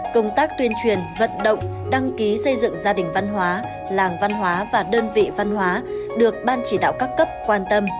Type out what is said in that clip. công tác tuyên truyền vận động đăng ký xây dựng gia đình văn hóa làng văn hóa và đơn vị văn hóa được ban chỉ đạo các cấp quan tâm